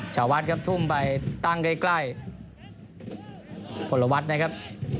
ชาวัดครับทุ่มไปตั้งใกล้ผลวัฒน์นะครับ